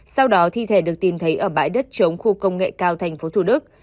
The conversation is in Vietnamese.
sau đó thi thể được tìm thấy ở bãi đất chống khu công nghệ cao tp thủ đức